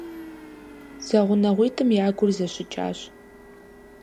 ЗэгъунэгъуитӀым я гур зэщыкӀащ.